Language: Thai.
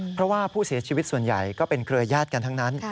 เพราะว่าผู้เสียชีวิตส่วนใหญ่ก็เป็นเครือญาติกันทั้งนั้น